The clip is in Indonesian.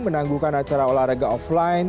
menanggungkan acara olahraga offline